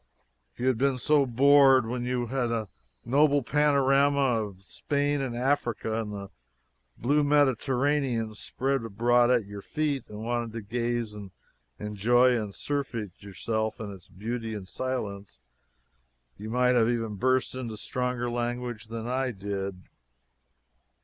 If you had been bored so, when you had the noble panorama of Spain and Africa and the blue Mediterranean spread abroad at your feet, and wanted to gaze and enjoy and surfeit yourself in its beauty in silence, you might have even burst into stronger language than I did.